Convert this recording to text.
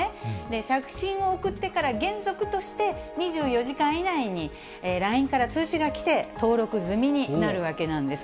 写真を送ってから原則として２４時間以内にＬＩＮＥから通知が来て、登録済みになるわけなんです。